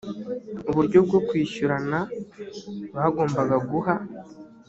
uburyo bwo kwishyurana bagomba guha